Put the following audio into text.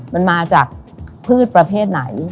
มันมาจากพืชประเภทไหน